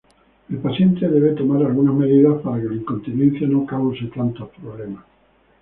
El paciente debe tomar algunas medidas para que la incontinencia no cause tantos problemas.